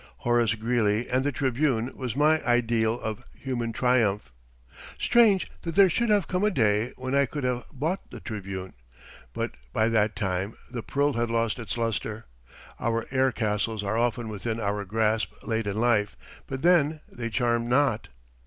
Horace Greeley and the "Tribune" was my ideal of human triumph. Strange that there should have come a day when I could have bought the "Tribune"; but by that time the pearl had lost its luster. Our air castles are often within our grasp late in life, but then they charm not.